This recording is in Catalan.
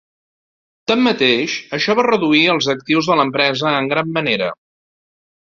Tanmateix, això va reduir els actius de l'empresa en gran manera.